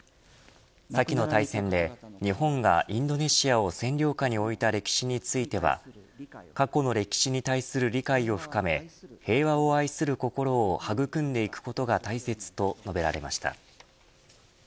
先の大戦で日本がインドネシアを占領下に置いた歴史については過去の歴史に対する理解を深め平和を愛する心を育んでいくことが大切と述べられました。